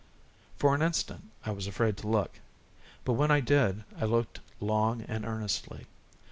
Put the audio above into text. For an instant I was afraid to look, but when I did, I looked long and earnestly.